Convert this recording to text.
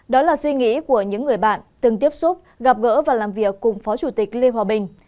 đó là suy nghĩ của những người bạn từng tiếp xúc gặp gỡ và làm việc cùng phó chủ tịch lê hòa bình